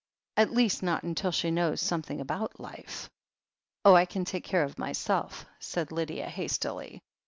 "At least, not until she knows something about life." "Oh, I can take care of myself," said Lydia hastily.